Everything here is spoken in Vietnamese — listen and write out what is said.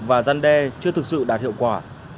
và răn đe chưa thực sự đạt hiệu quả